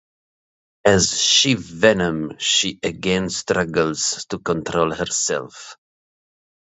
As She-Venom she again struggles to control herself.